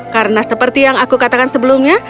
karena seperti yang aku katakan sebelumnya